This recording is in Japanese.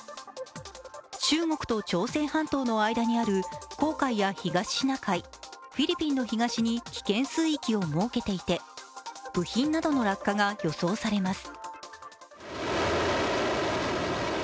中国と朝鮮半島の間にある黄海や東シナ海、フィリピンの東に危険水域を設けていて部品などの落下が予想されます。